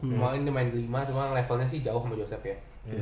emang ini main lima cuma levelnya sih jauh sama joseph ya